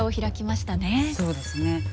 そうですね。